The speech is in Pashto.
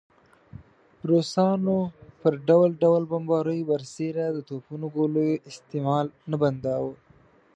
روسانو پر ډول ډول بمباریو برسېره د توپونو ګولیو استعمال نه بنداوه.